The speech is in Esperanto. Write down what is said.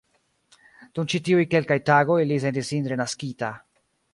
Dum ĉi tiuj kelkaj tagoj li sentis sin renaskita.